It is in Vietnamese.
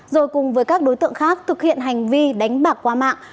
rồi cùng với các đối tượng khác thực hiện hành vi đánh bạc qua mạng